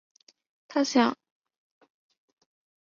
她说想要以有意义的方式使用才华和影响力。